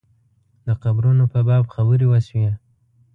د قبرونو په باب خبرې وشوې.